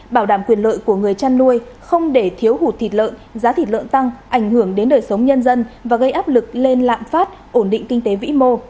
bảo đảm quyền lợi của người chăn nuôi không để thiếu hụt thịt lợn giá thịt lợn tăng ảnh hưởng đến đời sống nhân dân và gây áp lực lên lạm phát ổn định kinh tế vĩ mô